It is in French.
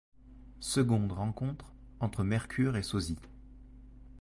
Seconde rencontre entre Mercure et Sosie.